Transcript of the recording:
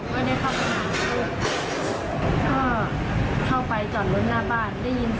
น้องปริมกระโหลกแตกน้องปริมกระโหลกแตกด้วยของแข็งไม่มีคมค่ะ